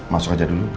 masuk aja dulu